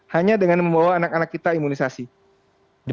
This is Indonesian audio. hanya dengan membawa anak anak kita imunisasi